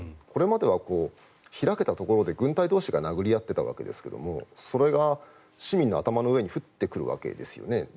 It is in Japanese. これまでは開けたところで軍隊同士が殴り合っていたわけですがそれが市民の頭の上に降ってくるわけですよね。